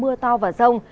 mưa to và rông